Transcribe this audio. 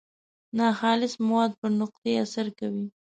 ناخالص مواد پر نقطې اثر کوي.